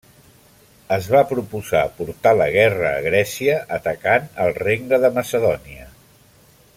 Es va proposar portar la guerra a Grècia atacant el Regne de Macedònia.